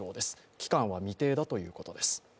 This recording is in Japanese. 期間は未定だということです。